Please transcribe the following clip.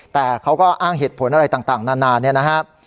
แต่เขาก็อ้างเหตุผลอะไรต่างนานาเนี่ยนะครับ